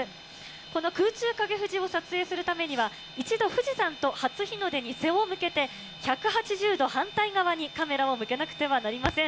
この空中影富士を撮影するためには、一度、富士山と初日の出に背を向けて、１８０度反対側にカメラを向けなくてはなりません。